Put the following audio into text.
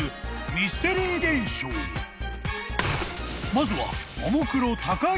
［まずは］